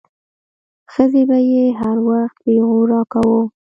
ښځې به يې هر وخت پيغور راکاوه.